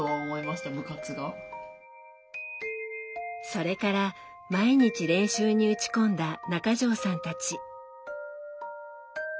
それから毎日練習に打ち込んだ中条さんたち。